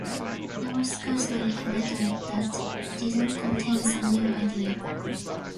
There was scarcely a letter that didn't contain some new idea.